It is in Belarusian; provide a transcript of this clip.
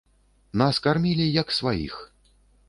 Нас кармілі, як сваіх.